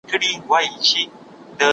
لیک به بدل سوی وي.